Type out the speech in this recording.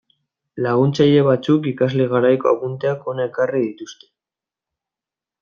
Laguntzaile batzuk ikasle garaiko apunteak hona ekarri dituzte.